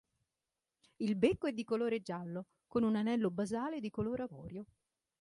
Il becco è di colore giallo, con un anello basale di color avorio.